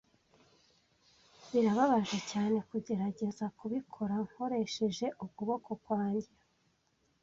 Birababaje cyane kugerageza kubikora nkoresheje ukuboko kwanjye.